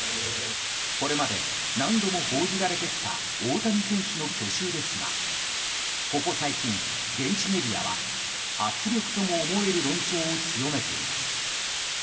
これまで何度も報じられてきた大谷選手の去就ですがここ最近、現地メディアは圧力とも思える論調を強めています。